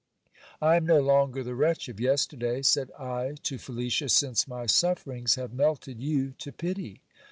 I am no longer the wretch of yesterday, said I to Felicia, since my sufferings have melted you to pity.